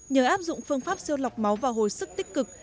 nhờ áp dụng phương pháp siêu lọc máu và hồi sức tích cực